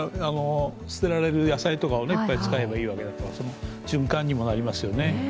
捨てられる野菜とかをいっぱい使えばいいわけですから循環にもなりますよね。